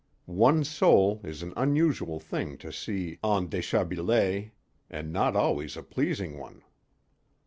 One's soul is an unusual thing to see en déshabillé, and not always a pleasing one.